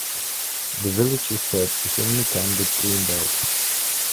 The village is set within the Cambridge Green Belt.